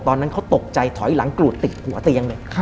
ตอนนั้นเขาตกใจถอยหลังกรูดติดหัวเตียงเลย